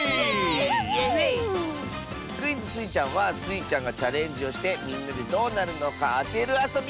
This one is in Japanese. クイズ「スイちゃん」はスイちゃんがチャレンジをしてみんなでどうなるのかあてるあそび！